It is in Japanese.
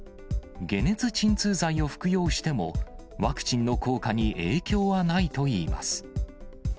解熱鎮痛剤を服用しても、ワクチンの効果に影響はないといいます。